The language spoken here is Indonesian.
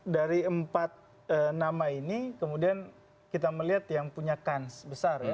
dari empat nama ini kemudian kita melihat yang punya kans besar ya